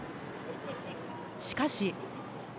しかし。